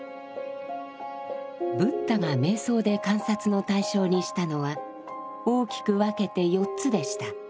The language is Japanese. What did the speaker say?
ブッダが瞑想で観察の対象にしたのは大きく分けて４つでした。